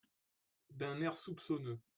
D’un air soupçonneux.